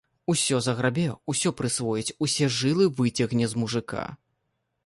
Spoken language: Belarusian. Усё заграбе, усё прысвоіць, усе жылы выцягне з мужыка.